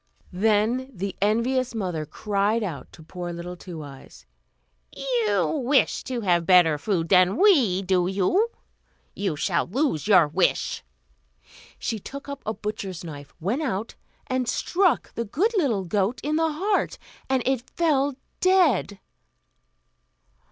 Then the envious mother cried out to poor little Two Eyes, "You wish to have better food than we, do you? You shall lose your wish!" She took up a butcher's knife, went out, and stuck the good little goat in the heart, and it fell dead.